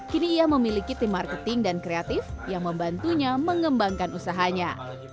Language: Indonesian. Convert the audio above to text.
kini ia memiliki tim marketing dan kreatif yang membantunya mengembangkan usahanya